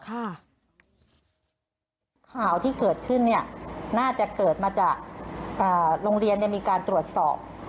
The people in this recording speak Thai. ข่าวที่เกิดขึ้นน่าจะเกิดมาจากโรงเรียนมีการตรวจสอบ